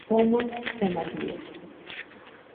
Somos somalíes.